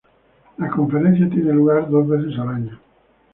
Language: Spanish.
La conferencia tiene lugar dos veces al año.